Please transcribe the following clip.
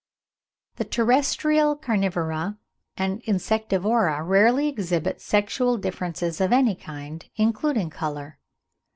The terrestrial Carnivora and Insectivora rarely exhibit sexual differences of any kind, including colour.